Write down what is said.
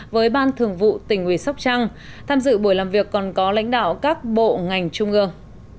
với ban thường vụ tỉnh ủy sóc trăng tham dự buổi làm việc còn có lãnh đạo các bộ ngành trung ương